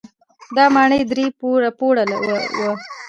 دا ماڼۍ درې پوړه وه.